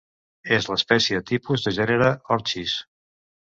És l'espècie tipus del gènere Orchis.